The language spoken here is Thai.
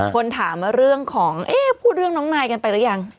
คนถามว่าเรื่องของพูดเรื่องน้องนายกันไปหรือยัง